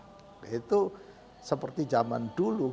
nah memang kalau ada biasanya itu seperti jaman dulu itu